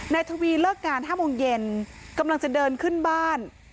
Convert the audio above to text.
ทวีเลิกงาน๕โมงเย็นกำลังจะเดินขึ้นบ้าน